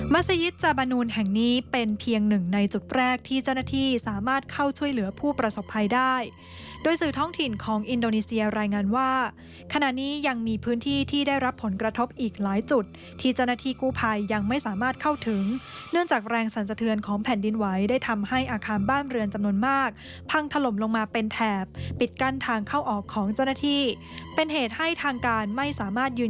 มาเซยิดจาบานูนแห่งนี้เป็นเพียงหนึ่งในจุดแรกที่เจ้าหน้าที่สามารถเข้าช่วยเหลือผู้ประสบภัยได้โดยสื่อท้องถิ่นของอินโดนีเซียรายงานว่าขณะนี้ยังมีพื้นที่ที่ได้รับผลกระทบอีกหลายจุดที่เจ้าหน้าที่คู่ภัยยังไม่สามารถเข้าถึงเนื่องจากแรงสรรเจริญของแผ่นดินไหวได้ทำให้อาคารบ้านเร